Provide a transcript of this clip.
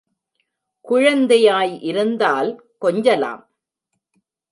குழந்தையாய் இருந்தால் கொஞ்சலாம்.